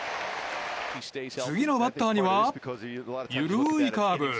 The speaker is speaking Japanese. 次のバッターには、緩いカーブ。